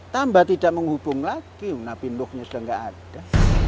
tambah tidak menghubung lagi nabi nuh sudah tidak ada